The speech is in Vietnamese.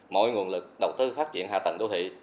mọi nguồn lực đầu tư phát triển hạ tầng đô thị